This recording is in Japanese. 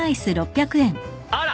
あら。